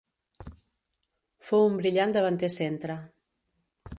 Fou un brillant davanter centre.